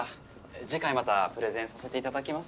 次回またプレゼンさせていただきますので。